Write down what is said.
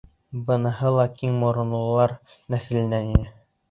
Быныһы ла киң моронлолар нәҫеленән ине.